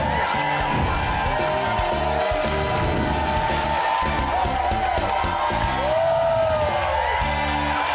สวัสดีครับ